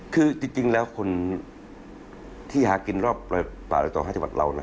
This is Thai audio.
คือจริงแล้วคนที่หากินรอบป่าที่ตรงห้าชาวัดเราเนอะ